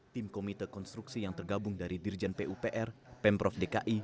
tim komite konstruksi yang tergabung dari dirjen pupr pemprov dki